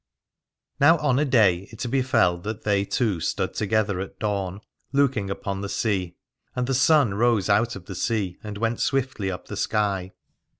Now on a day it befell that they two stood together at dawn, looking upon the sea : and the sun rose out of the sea and went swiftly up the sky.